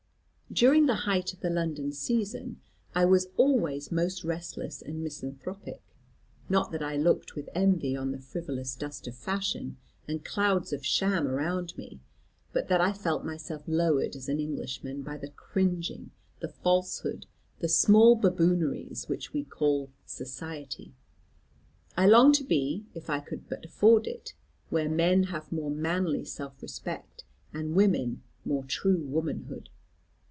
"During the height of the London season I was always most restless and misanthropic. Not that I looked with envy on the frivolous dust of fashion, and clouds of sham around me; but that I felt myself lowered as an Englishman by the cringing, the falsehood, the small babooneries, which we call 'society.' I longed to be, if I could but afford it, where men have more manly self respect, and women more true womanhood.